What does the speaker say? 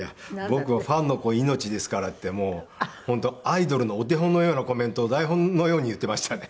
「僕はファンの子命ですから」ってもう本当アイドルのお手本のようなコメントを台本のように言ってましたね。